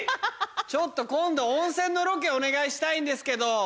ちょっと今度温泉のロケお願いしたいんですけど。